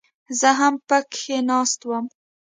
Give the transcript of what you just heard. زه هم پکښې ناست وم.